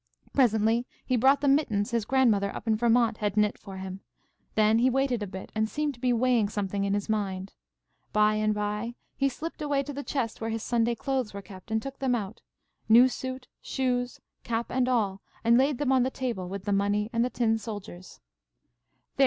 Presently he brought the mittens his grandmother up in Vermont had knit for him. Then he waited a bit, and seemed to be weighing something in his mind. By and by he slipped away to the chest where his Sunday clothes were kept and took them out, new suit, shoes, cap and all, and laid them on the table with the money and the tin soldiers.